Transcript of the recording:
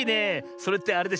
それってあれでしょ。